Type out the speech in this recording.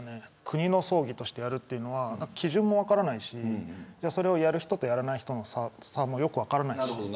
国の葬儀としてやるというのは基準も分からないしそれをやる人とやらない人の差もよく分からないし。